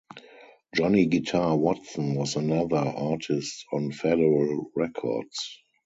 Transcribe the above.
Johnny "Guitar" Watson was another artist on Federal Records.